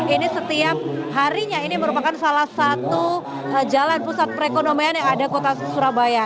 ini setiap harinya ini merupakan salah satu jalan pusat perekonomian yang ada kota surabaya